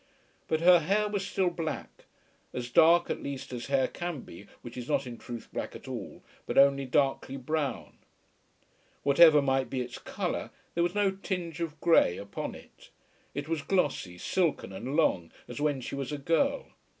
But her hair was still black, as dark at least as hair can be which is not in truth black at all but only darkly brown. Whatever might be its colour there was no tinge of grey upon it. It was glossy, silken, and long as when she was a girl.